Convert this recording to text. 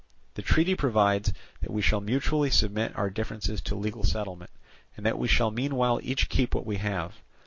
The treaty provides that we shall mutually submit our differences to legal settlement, and that we shall meanwhile each keep what we have.